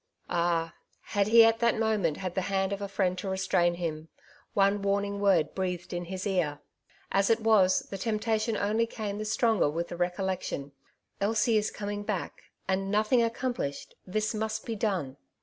Ah ! had he at that moment had the hand of a friend to restrain him, one warning word breathed in his ear ! As it was, the temptation only came the stronger with the recollection, ^^ Elsie is coming back, and nothing accomplished — this must be done."